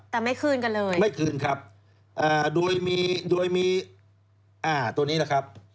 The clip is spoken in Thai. แต่ไม่คืนกันเลยไม่คืนครับโดยมีโดยมีตัวนี้นะครับ